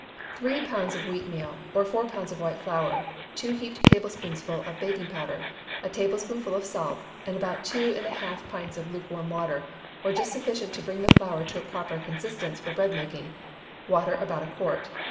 Three pounds wheat meal, or four pounds of white flour, two heaped tablespoonfuls of baking powder, a tablespoonful of salt, and about two and a half pints of lukewarm water, or just sufficient to bring the flour to a proper consistence for bread making; water about a quart.